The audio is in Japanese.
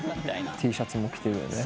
Ｔシャツも着てるよね？